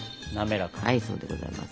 はいそうでございます。